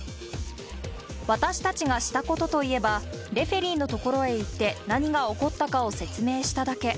私たちがしたことといえば、レフェリーの所へ行って、何が起こったかを説明しただけ。